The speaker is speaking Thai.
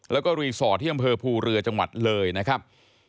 แล้วก็รีสอร์ทที่อำเภอภูเรือจังหวัดเลยนะครับ